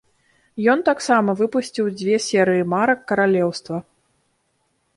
Ён таксама выпусціў дзве серыі марак каралеўства.